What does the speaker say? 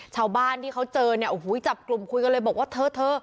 ชาวบ้านที่เขาเจอเนี่ยโอ้โหจับกลุ่มคุยกันเลยบอกว่าเธอเธอ